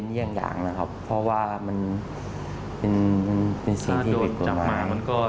อย่างเพราะว่ามันเป็นสีผิดปวดมาก